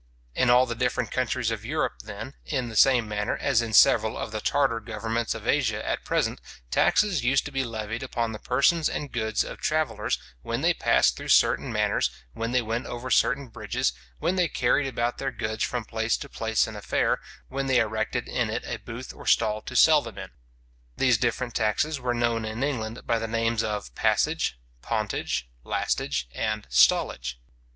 In all the different countries of Europe then, in the same manner as in several of the Tartar governments of Asia at present, taxes used to be levied upon the persons and goods of travellers, when they passed through certain manors, when they went over certain bridges, when they carried about their goods from place to place in a fair, when they erected in it a booth or stall to sell them in. These different taxes were known in England by the names of passage, pontage, lastage, and stallage.